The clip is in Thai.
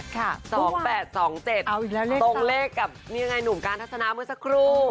ตรงเลขกับหนุ่มการทัศนาเมื่อสักครู่